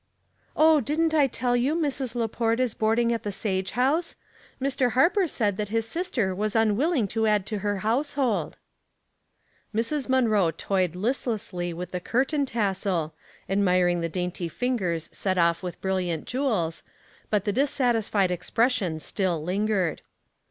" Oh, didn't I tell you Mrs. Laport is board ing at the Sage House. Mr. Harper said that his sister was unwilling to add to her household." Mrs. Munroe toyed listlessl}' with the curtain tassel, admiring the dainty fingers set oJBF with brilliant jewels, but the dissatisfied expression still lingered.